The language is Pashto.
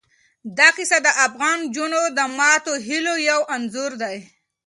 دا کیسه د افغان نجونو د ماتو هیلو یو انځور دی.